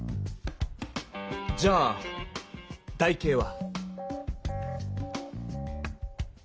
じゃあ台形は。